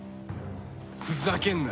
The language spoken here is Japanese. ふざけんな！